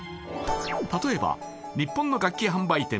例えば日本の楽器販売店